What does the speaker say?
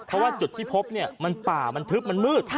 เพราะว่าจุดที่พบเนี่ยมันป่ามันทึบมันมืด